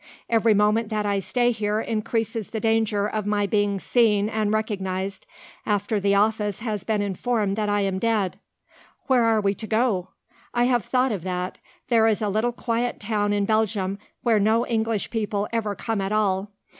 Every moment that I stay here increases the danger of my being seen and recognised after the Office has been informed that I am dead." "Where are we to go?" "I have thought of that. There is a little quiet town in Belgium where no English people ever come at all.